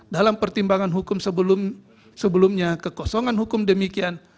dalam pertimbangan hukum sebelumnya kekosongan hukum demikian